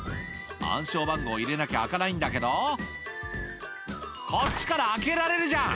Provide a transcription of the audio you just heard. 暗証番号入れなきゃ開かないんだけどこっちから開けられるじゃん！